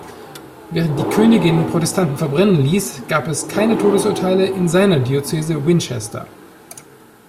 Während die Königin Protestanten verbrennen ließ, gab es keine Todesurteile in seiner Diözese Winchester.